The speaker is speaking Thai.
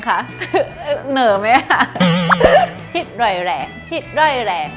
นอนน้อยที่สุดเลยกี่ชั่วโมง